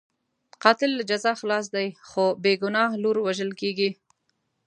قاتل له جزا خلاص دی، خو بې ګناه لور وژل کېږي.